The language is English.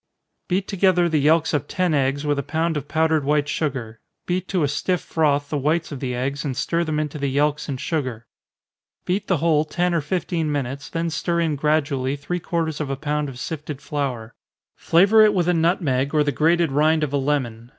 _ Beat together the yelks of ten eggs, with a pound of powdered white sugar beat to a stiff froth the whites of the eggs, and stir them into the yelks and sugar. Beat the whole ten or fifteen minutes, then stir in gradually three quarters of a pound of sifted flour. Flavor it with a nutmeg, or the grated rind of a lemon.